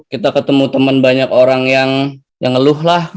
kita ketemu teman banyak orang yang ngeluh lah